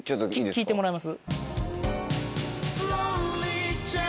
聴いてもらえます？